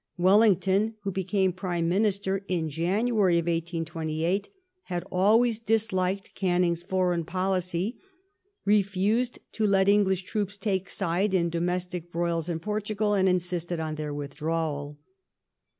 Welling ton, who became Prime Minister in January, 1828, had always disliked Canning's foreign policy, refused to let English troops take side in domestic broils in Portugal, and insisted on their withdrawal..